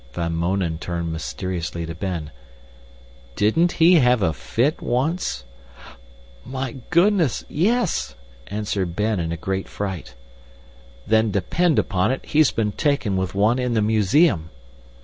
Van Mounen turned mysteriously to Ben. "DIDN'T HE HAVE A FIT ONCE?" "My goodness! yes!" answered Ben in a great fright. "Then, depend upon it, he's been taken with one in the museum!"